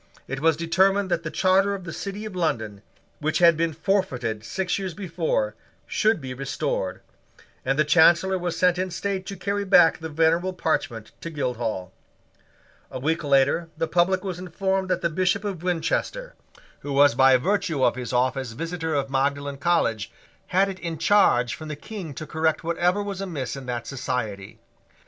It was determined that the charter of the City of London, which had been forfeited six years before, should be restored; and the Chancellor was sent in state to carry back the venerable parchment to Guildhall. A week later the public was informed that the Bishop of Winchester, who was by virtue of his office Visitor of Magdalene College, had it in charge from the King to correct whatever was amiss in that society.